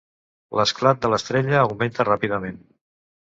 L'esclat de l'estrella augmenta ràpidament.